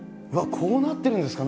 こうなってるんですか？